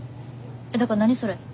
えっだから何それ。